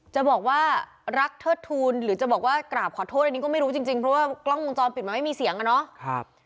จะบอกว่ารักเทิดทูลหรือจะบอกว่ากราบขอโทษอันนี้ก็ไม่รู้จริงเพราะว่ากล้องวงจรปิดมันไม่มีเสียงอะเนาะ